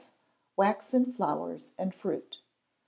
Waxen Flowers and Fruit.